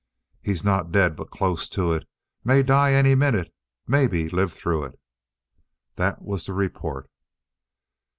"He's not dead but close to it. Maybe die any minute maybe live through it!" That was the report.